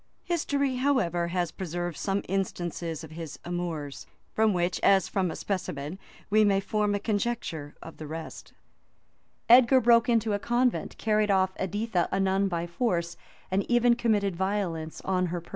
History, however, has preserved some instances of his amours, from which, as from a specimen, we may form a conjecture of the rest. Edgar broke into a convent, carried off Editha, a nun, by force, and even committed violence on her person.[] [* Chron. Sax. p. 118.